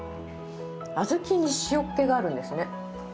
小豆に塩っ気があるんですね。